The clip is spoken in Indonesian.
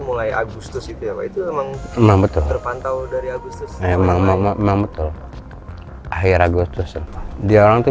mulai agustus itu emang betul terpantau dari agustus memang betul akhir agustus diorang tuh